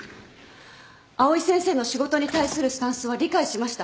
藍井先生の仕事に対するスタンスは理解しました。